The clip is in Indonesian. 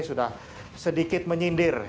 sudah sedikit menyindir